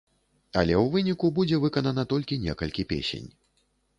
Але ў выніку будзе выканана толькі некалькі песень.